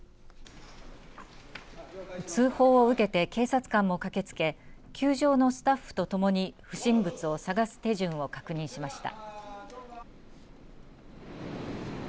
通報を受けて警察官も駆けつけ球場のスタッフと共に不審物を探す手順を確認しました。